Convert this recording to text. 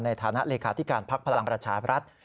ในฐานะเลขาธิการพักพลังประชาบรัฐ